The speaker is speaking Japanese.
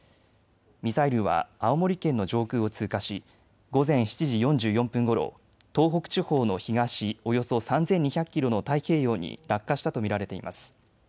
ミサイルは青森県の上空を通過し午前７時４４分ごろ、東北地方の東およそ３２００キロの太平洋に落下したと見られています。